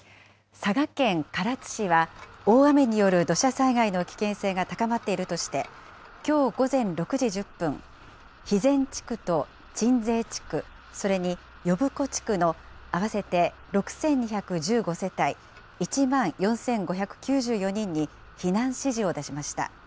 佐賀県唐津市は、大雨による土砂災害の危険性が高まっているとして、きょう午前６時１０分、肥前地区と鎮西地区、それに呼子地区の合わせて６２１５世帯１万４５９４人に避難指示を出しました。